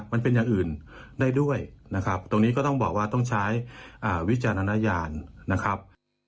มันเป็นอย่างอื่นได้ด้วยนะครับตรงนี้ก็ต้องบอกว่าต้องใช้วิจารณญาณนะครับ